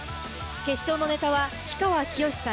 決勝のネタは氷川きよしさん。